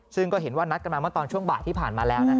ซึ่งก็เห็นว่านัดกันมาเมื่อตอนช่วงบ่ายที่ผ่านมาแล้ว